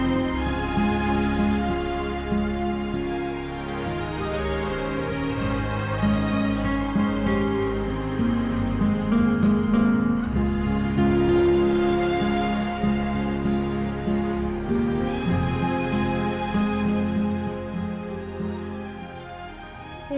ya stories itu kok jangan ke ridha